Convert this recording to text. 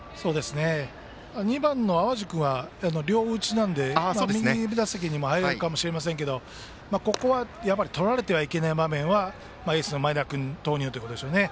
２番、淡路君は両打ちなので右打席にも入るかもしれませんがここは取られてはいけない場面はエースの前田君を投入ということでしょうね。